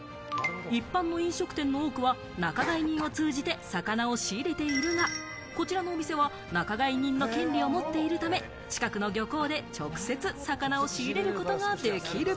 一般の飲食店の多くは仲買人を通じて魚を仕入れているが、こちらのお店は仲買人の権利を持っているため、近くの漁港で直接、魚を仕入れることができる。